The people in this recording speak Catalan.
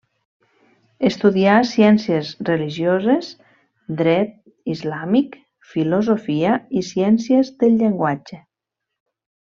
Estudià ciències religioses, dret islàmic, filosofia i ciències del llenguatge.